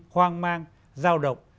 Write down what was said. khoang mang giao động